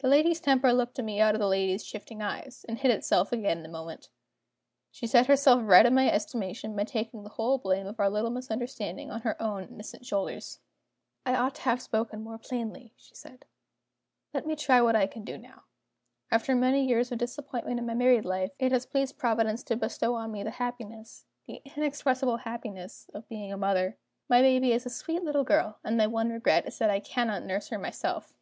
The lady's temper looked at me out of the lady's shifting eyes, and hid itself again in a moment. She set herself right in my estimation by taking the whole blame of our little misunderstanding on her own innocent shoulders. "I ought to have spoken more plainly," she said. "Let me try what I can do now. After many years of disappointment in my married life, it has pleased Providence to bestow on me the happiness the inexpressible happiness of being a mother. My baby is a sweet little girl; and my one regret is that I cannot nurse her myself."